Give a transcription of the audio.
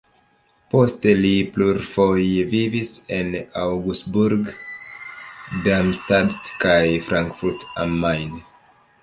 Poste li plurfoje vivis en Augsburg, Darmstadt kaj Frankfurt am Main.